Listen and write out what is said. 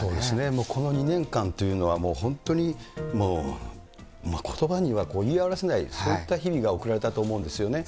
この２年間というのは、本当にもうことばには言い表せない、そういった日々が送られたと思うんですよね。